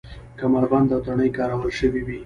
کمربند او تڼۍ کارول شوې وې.